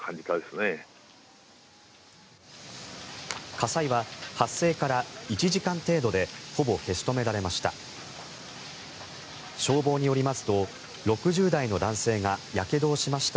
火災は発生から１時間程度でほぼ消し止められました。